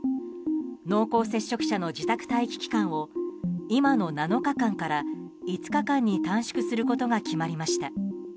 濃厚接触者の自宅待機期間を今の７日間から５日間に短縮することが決まりました。